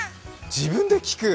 自分で聞く？